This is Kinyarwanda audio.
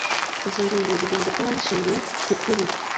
Izo ngingo zigomba kuba zishingiye ku kuri